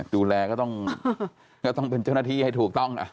ก็ต้องเป็นเจ้าหน้าที่ให้ถูกต้อง